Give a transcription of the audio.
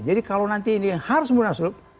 jadi kalau nanti ini harus munaslup